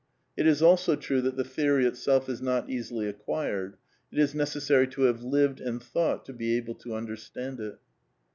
It is also true that the theorv itself is not easily acquired ; it is necessary to have lived and tiiought to be able to understand it.